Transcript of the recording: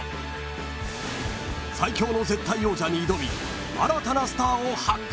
［最強の絶対王者に挑み新たなスターを発掘］